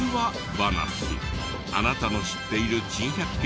話あなたの知っている珍百景